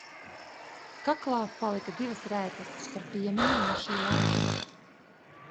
Kaklā palika divas rētas, par piemiņu no šī laika.